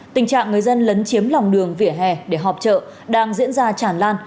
tình trạng người dân lấn chiếm lòng đường vỉa hè để họp chợ đang diễn ra tràn lan